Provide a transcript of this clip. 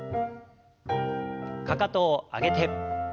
かかとを上げて。